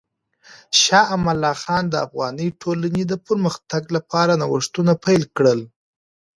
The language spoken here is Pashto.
شاه امان الله خان د افغاني ټولنې د پرمختګ لپاره نوښتونه پیل کړل.